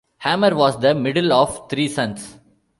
Hammer was the middle of three sons.